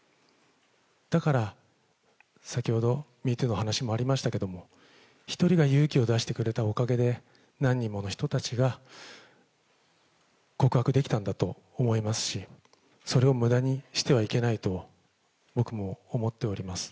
だから、先ほどミートゥーの話もありましたけれども、１人が勇気を出してくれたおかげで、何人もの人たちが告白できたんだと思いますし、それをむだにしてはいけないと僕も思っております。